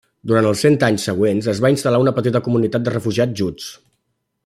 Durant els cent anys següents es va instal·lar una petita comunitat de refugiats juts.